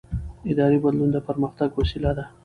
اداري بدلون د پرمختګ وسیله ده